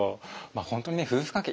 本当にね夫婦関係